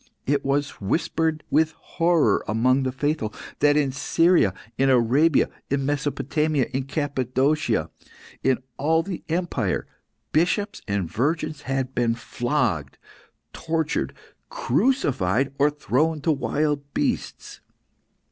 It was whispered with horror amongst the faithful, that in Syria, in Arabia, in Mesopotamia, in Cappadocia, in all the empire, bishops and virgins had been flogged, tortured, crucified or thrown to wild beasts.